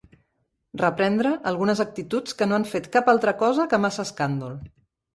Reprendre algunes actituds que no han fet cap altra cosa que massa escàndol